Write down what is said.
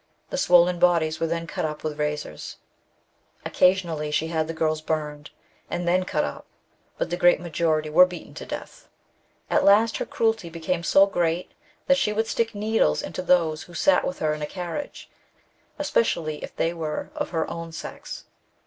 The swollen bodies were then cut up with razors. " Occasionally she had the girls burned, and then cut up, but the great majority were beaten to death. " At last her cruelty became so great, that she would stick needles into those who sat with her in a carriage, especially if they were of her own sex.